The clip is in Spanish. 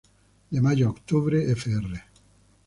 De mayo a octubre, fr.